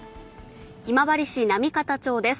今治市波方町です。